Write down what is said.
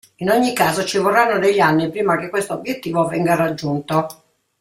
In ogni caso, ci vorranno degli anni prima che questo obiettivo venga raggiunto.